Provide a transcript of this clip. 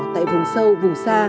tại vùng sâu vùng xa